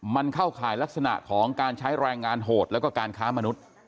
มันเข้าข่ายลักษณะของการใช้แรงงานโหดแล้วก็การค้ามนุษย์